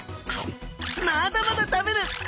まだまだ食べる！